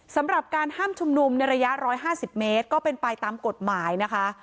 สำหรับการห้ามชุมนุมในระยะ๑๕๐เมตรก็เป็นไปตามกฎหมายนะคะ